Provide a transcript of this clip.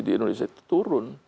di indonesia itu turun